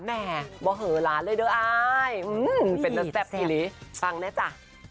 แหม่บ่เหล้าหลานเลยเด้อไอ้เป็นตะแซ่บอีหรี่ปังนะจ้ะ